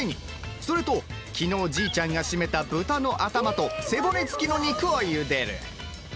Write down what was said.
それと昨日じいちゃんがしめたブタの頭と背骨付きの肉をゆでる。